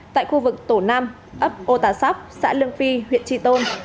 tại khu vực tổ năm ấp ô tà sóc xã lương phi huyện tri tôn